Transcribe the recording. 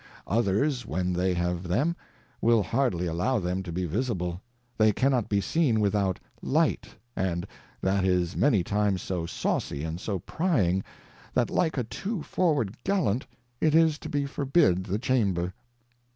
Others when they have them will hardly allow them to be visible ; they cannot be seen without Light, and that is many times so sawcy and so prying, that like a too forward Gallant it is to be forbid the Chamber.